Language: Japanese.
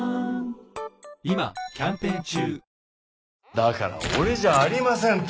だから俺じゃありませんって。